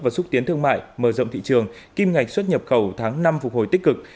và xúc tiến thương mại mở rộng thị trường kim ngạch xuất nhập khẩu tháng năm phục hồi tích cực